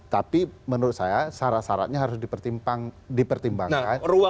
tapi menurut saya syarat syaratnya harus dipertimbangkan